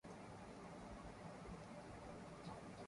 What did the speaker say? আশা করা যায়, বর্তমান অর্থবছরেই পদ্মা সেতুর নির্মাণকাজ শুরু করা হবে।